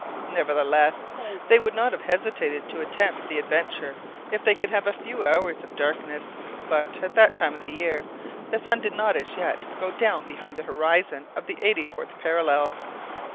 Nevertheless, they would not have hesitated to attempt the adventure if they could have a few hours of darkness; but, at that time of year, the sun did not as yet go down behind the horizon of the eighty fourth parallel.